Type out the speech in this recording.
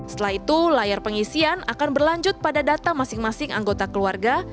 setelah itu layar pengisian akan berlanjut pada data masing masing anggota keluarga